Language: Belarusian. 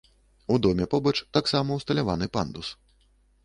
У доме побач таксама ўсталяваны пандус.